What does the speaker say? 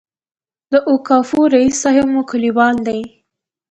د اوقافو رئیس صاحب مو کلیوال دی.